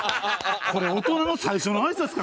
これ大人の最初のあいさつか？